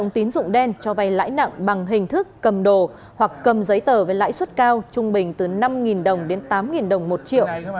tín dụng đen cho vay lãi nặng bằng hình thức cầm đồ hoặc cầm giấy tờ với lãi suất cao trung bình từ năm đồng đến tám đồng một triệu